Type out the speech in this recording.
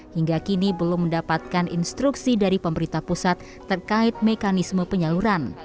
hingga kini belum mendapatkan instruksi dari pemerintah pusat terkait mekanisme penyaluran